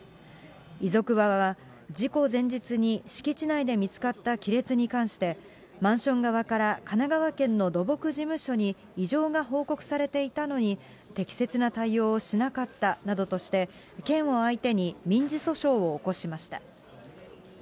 遺族側は、事故前日に敷地内で見つかった亀裂に関して、マンション側から神奈川県の土木事務所に異常が報告されていたのに、適切な対応をしなかったなどとして、県を相手に民事訴訟を起こしました。